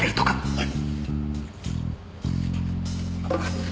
はい。